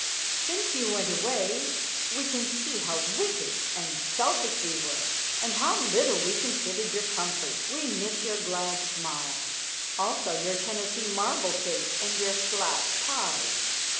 Since you went away we can see how wicked and selfish we were and how little we considered your comfort. We miss your glad smile, also your Tennessee marble cake and your slat pie.